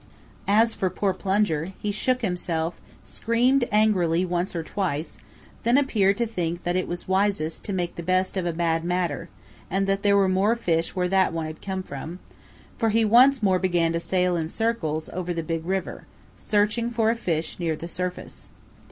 As for poor Plunger, he shook himself, screamed angrily once or twice, then appeared to think that it was wisest to make the best of a bad matter and that there were more fish where that one had come from, for he once more began to sail in circles over the Big River, searching for a fish near the surface.